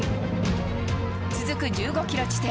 続く１５キロ地点。